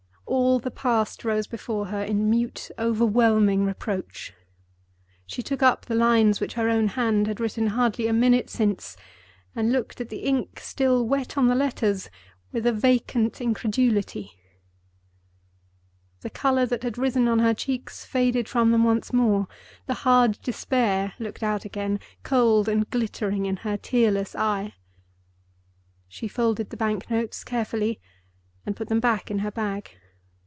All the Past rose before her in mute, overwhelming reproach. She took up the lines which her own hand had written hardly a minute since, and looked at the ink, still wet on the letters, with a vacant incredulity. The color that had risen on her cheeks faded from them once more. The hard despair looked out again, cold and glittering, in her tearless eyes. She folded the banknotes carefully, and put them back in her bag.